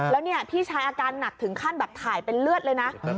แล้วเนี่ยพี่ชายอาการหนักถึงขั้นแบบถ่ายเป็นเลือดเลยนะ